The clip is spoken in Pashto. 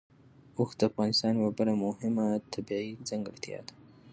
اوښ د افغانستان یوه بله مهمه طبیعي ځانګړتیا ده.